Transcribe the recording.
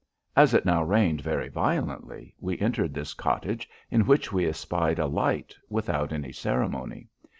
"As it now rained very violently, we entered this cottage, in which we espied a light, without any ceremony.